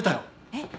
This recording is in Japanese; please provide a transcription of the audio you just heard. えっ？